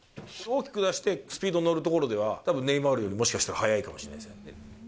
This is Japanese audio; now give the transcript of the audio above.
大きく出して、スピードに乗るところでは、たぶんネイマールより、もしかしたら速いかもしれないですよ。